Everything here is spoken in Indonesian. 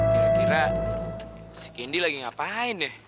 kira kira si kendi lagi ngapain ya